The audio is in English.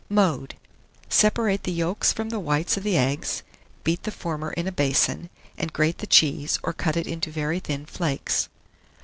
Mode. Separate the yolks from the whites of the eggs; beat the former in a basin, and grate the cheese, or cut it into very thin flakes.